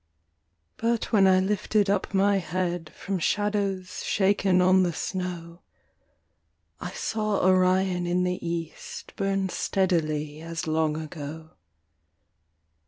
But when I lifted up my head From shadows shaken on the snow, I saw Orion in the east Burn steadily as long ago.